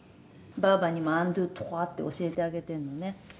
「ばあばにもアンドゥトロワって教えてあげてるのね」